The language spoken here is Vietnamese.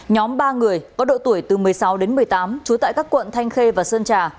nhóm ba người có độ tuổi từ một mươi sáu đến một mươi tám trú tại các quận thanh khê và sơn trà